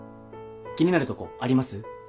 気になるとこあります？